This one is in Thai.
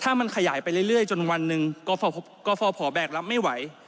ถ้ามันขยายไปเรื่อยจนวันหนึ่งกฟภแบกรับไม่ไหว